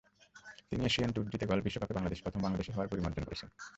তিনি Asian tour জিতে golf বিশ্বকাপে প্রথম বাংলাদেশি হওয়ার গরিমা অর্জন করেছেন।